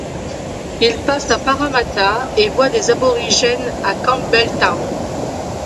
Il passe à Parramatta et voit des aborigènes à Campbell Town.